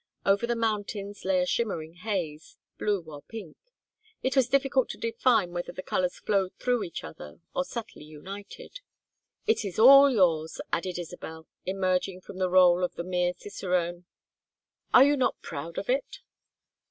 Over the mountains lay a shimmering haze, blue or pink; it was difficult to define whether the colors flowed through each other or subtly united. "It is all yours," added Isabel, emerging from the rôle of the mere cicerone. "Are you not proud of it?"